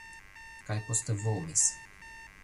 Kaj poste vomis.